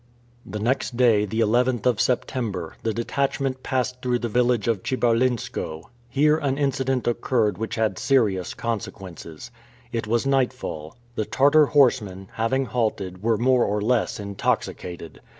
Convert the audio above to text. The next day, the 11th of September, the detachment passed through the village of Chibarlinskoe. Here an incident occurred which had serious consequences. It was nightfall. The Tartar horsemen, having halted, were more or less intoxicated.